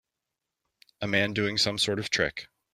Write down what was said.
A man doing some sort of trick.